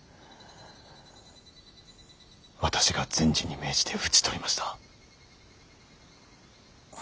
私が善児に命じて討ち取りました。